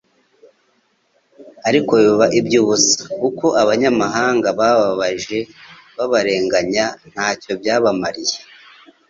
ariko biba iby'ubusa. Uko abanyamahanga babababaje babarenganya ntacyo byabamariye.